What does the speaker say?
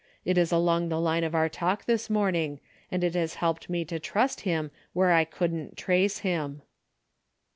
It is along the line of our talk this morning, and it has helped me to trust him where I couldn't trace him."